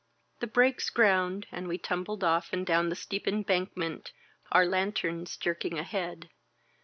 The brakes ground and we tum bled off and down the steep embankment, our lanterns jerking ahead.